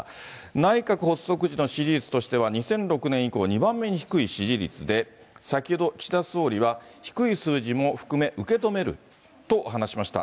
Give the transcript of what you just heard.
内閣発足時の支持率としては２００６年以降、２番目に低い支持率で、先ほど岸田総理は低い数字も含め、受け止めると話しました。